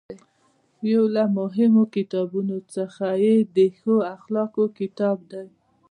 یو له مهمو کتابونو څخه یې د ښې اخلاقو کتاب دی.